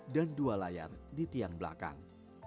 dua layar di tiang belakang